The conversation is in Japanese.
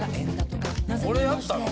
「これやったの？」